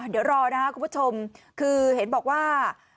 เดี๋ยวรอนะครับคุณผู้ชมคือเห็นบอกว่า